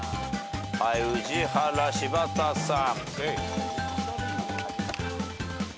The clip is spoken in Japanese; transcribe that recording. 宇治原柴田さん。